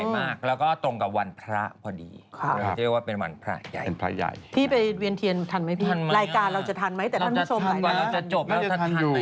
เหตุการณ์ที่เกิดขึ้นที่ยิ่งใหญ่